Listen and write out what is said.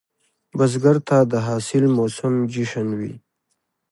بزګر ته د حاصل موسم جشن وي